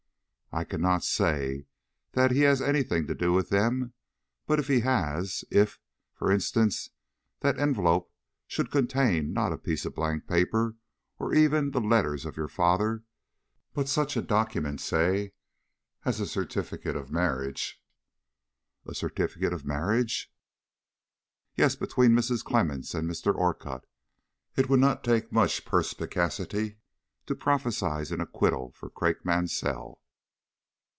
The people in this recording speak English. "I cannot say that he has any thing to do with them; but if he has if, for instance, that envelope should contain, not a piece of blank paper, or even the letters of your father, but such a document, say, as a certificate of marriage " "A certificate of marriage?" "Yes, between Mrs. Clemmens and Mr. Orcutt, it would not take much perspicacity to prophesy an acquittal for Craik Mansell."